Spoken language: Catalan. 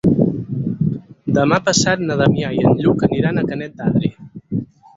Demà passat na Damià i en Lluc aniran a Canet d'Adri.